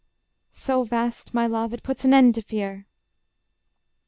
So vast my love, it puts an end to fear.